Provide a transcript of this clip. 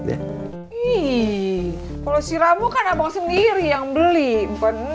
ih kalau si ramu kan abang sendiri yang beli